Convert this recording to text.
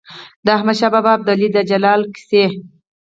د احمد شاه ابدالي د جلال کیسې.